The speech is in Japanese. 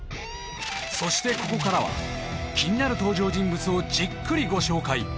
そしてここからは気になる登場人物をじっくりご紹介